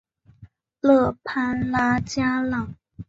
勒潘拉加朗。